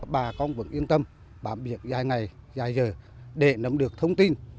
bà con vẫn yên tâm bảo biệt dài ngày dài giờ để nắm được thông tin